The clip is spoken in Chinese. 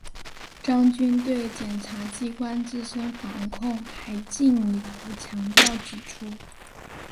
张军对检察机关自身防控还进一步强调指出